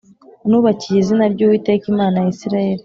nubakiye izina ry Uwiteka Imana ya Isirayeli